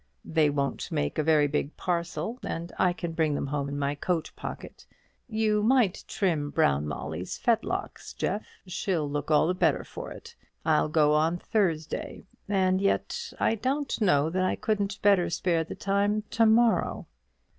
They won't make a very big parcel, and I can bring them home in my coat pocket. You might trim Brown Molly's fetlocks, Jeff; she'll look all the better for it. I'll go on Thursday; and yet I don't know that I couldn't better spare the time to morrow."